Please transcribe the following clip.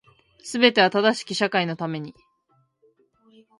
全ては正しき社会のために